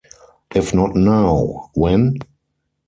If not now, when?